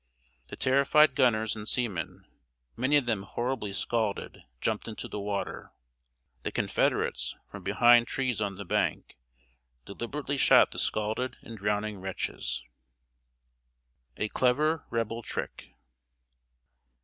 The terrified gunners and seamen, many of them horribly scalded, jumped into the water. The Confederates, from behind trees on the bank, deliberately shot the scalded and drowning wretches! [Sidenote: A CLEVER REBEL TRICK.